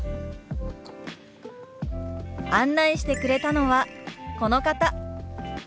案内してくれたのはこの方。